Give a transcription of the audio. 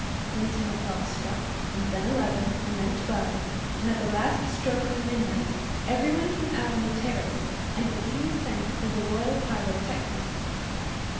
Then ten o'clock struck, and then eleven, and then twelve, and at the last stroke of midnight every one came out on the terrace, and the King sent for the Royal Pyrotechnist.